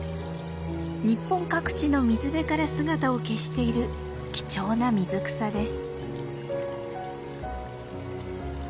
日本各地の水辺から姿を消している貴重な水草です。